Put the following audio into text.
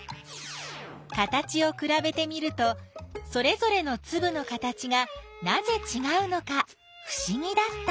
形をくらべてみるとそれぞれのつぶの形がなぜちがうのかふしぎだった。